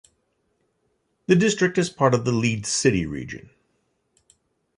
The district is part of the Leeds City Region.